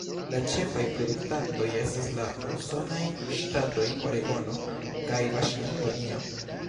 La ĉefaj produktantoj estas la usonaj ŝtatoj Oregono kaj Vaŝingtonio.